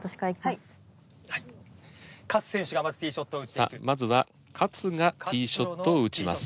さあまずは勝がＴｅｅショットを打ちます。